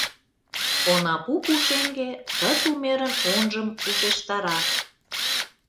Онапу пушеҥге ты тумерын онжым ушештара.